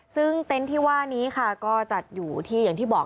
ซึ่งเต็นต์ที่ว่านี้ค่ะก็จัดอยู่ที่อย่างที่บอก